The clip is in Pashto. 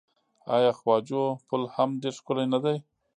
آیا خواجو پل هم ډیر ښکلی نه دی؟